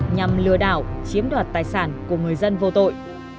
nhằm lừa đảo chiếm đoạt tài sản của người dân vô tội